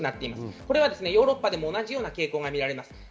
これはヨーロッパでも同じ傾向が見られます。